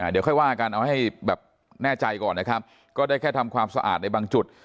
เดี๋ยวค่อยว่ากันเอาให้แบบแน่ใจก่อนนะครับก็ได้แค่ทำความสะอาดในบางจุด